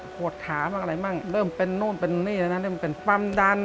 โหดขาอะไรเริ่มเป็นนู่นเป็นนี่เป็นพรรมดัน